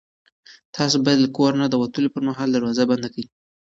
تاسو باید له کور نه د وتلو پر مهال دروازه بنده کړئ.